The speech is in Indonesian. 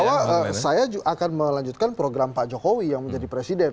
bahwa saya akan melanjutkan program pak jokowi yang menjadi presiden